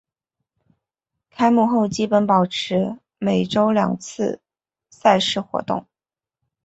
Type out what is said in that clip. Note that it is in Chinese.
开幕后基本保持每周两次赛事活动。